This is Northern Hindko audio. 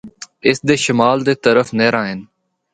اس دے شمال دے طرف نہراں ہن۔